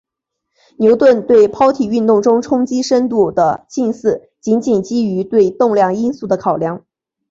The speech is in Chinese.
牛顿对抛体运动中冲击深度的近似仅仅基于对动量因素的考量。